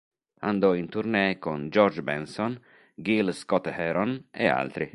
Andò in tournée con George Benson, Gil Scott-Heron e altri.